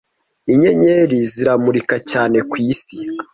'inyenyeri ziramurika cyane ku isi